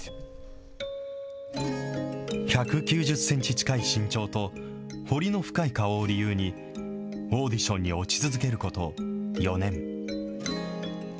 １９０センチ近い身長と、彫りの深い顔を理由に、オーディションに落ち続けること４年。